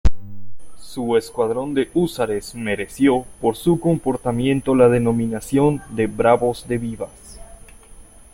Su escuadrón de Húsares mereció por su comportamiento la denominación de ""Bravos de Vivas"".